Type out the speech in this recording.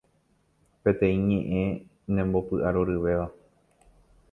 Peteĩ ñe'ẽ nembopy'arorýva